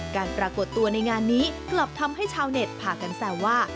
ปรากฏตัวในงานนี้กลับทำให้ชาวเน็ตพากันแซวว่า